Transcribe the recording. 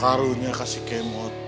taruhnya kan si kemot